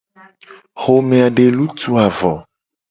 Xome a de lutuu a vo.